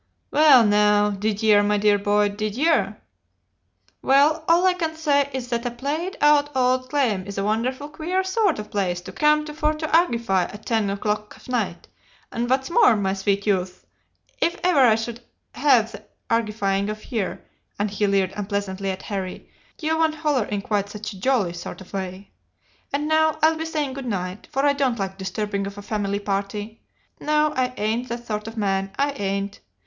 "'Well, now, did yer, my dear boy did yer? Well, all I can say is that a played out old claim is a wonderful queer sort of place to come to for to argify at ten o'clock of night, and what's more, my sweet youth, if ever I should 'ave the argifying of yer' and he leered unpleasantly at Harry 'yer won't 'oller in quite such a jolly sort 'o way. And now I'll be saying good night, for I don't like disturbing of a family party. No, I ain't that sort of man, I ain't.